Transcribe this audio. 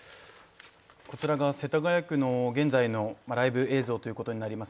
こちらが世田谷区の現在のライブ映像になります。